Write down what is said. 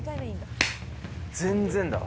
全然だわ。